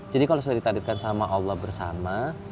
jadi kalau sudah ditadirkan sama allah bersama